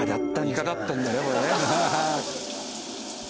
イカだったんだねこれね。